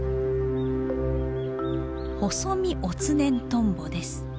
ホソミオツネントンボです。